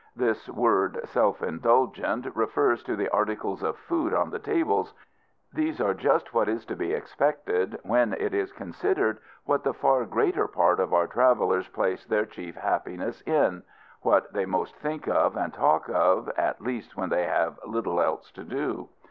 This word self indulgent refers to the articles of food on the tables. These are just what is to be expected when it is considered what the far greater part of our travelers place their chief happiness in what they most think of and talk of, at least when they have little else to do.